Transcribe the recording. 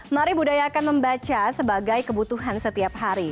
mari budaya akan membaca sebagai kebutuhan setiap hari